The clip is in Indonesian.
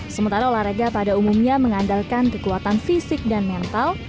sementara olahraga pada umumnya mengandalkan kekuatan fisik dan mental